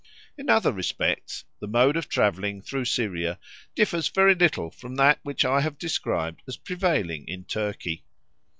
In other respects, the mode of travelling through Syria differs very little from that which I have described as prevailing in Turkey.